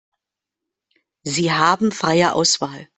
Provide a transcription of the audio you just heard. Sie haben freie Auswahl.